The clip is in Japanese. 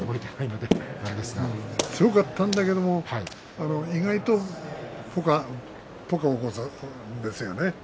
強かったんだけれども意外とねポカを起こすんですよね。